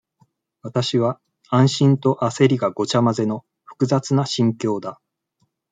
わたしは、安心とあせりがごちゃまぜの、複雑な心境だ。